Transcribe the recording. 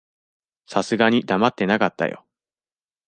さすがに黙ってなかったよ。